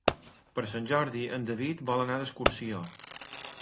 Per Sant Jordi en David vol anar d'excursió.